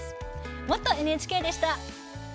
「もっとＮＨＫ」でした。